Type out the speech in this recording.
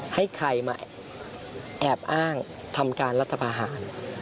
ให้ใครมาแอบอ้างทำการรัฐพาหาร